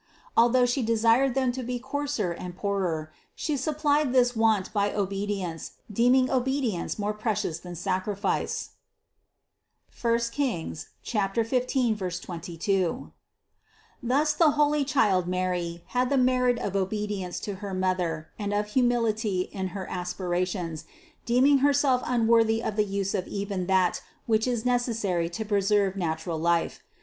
Although She desired them to be coarser and THE CONCEPTION 317 poorer, She supplied this want by obedience, deeming obedience more precious than sacrifice (I Kings 15, 22). Thus the most holy child Mary had the merit of obe dience to her mother and of humility in her aspirations, deeming Herself unworthy of the use of even that which is necessary to preserve natural life.